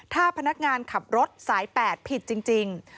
ถ้าพนักงานขับรถสาย๘ผิดจริง